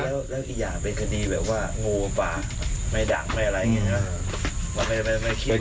แล้วอีกอย่างเป็นคดีแบบว่างูปากไม่ดังไม่อะไรอย่างนี้